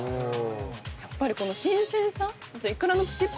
やっぱりこの新鮮さあと。